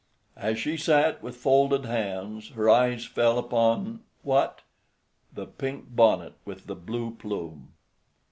As she sat with folded hands her eyes fell upon—what? The pink bonnet with the blue plume!